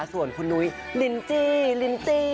ส่วนคุณนุ้ยลินจี้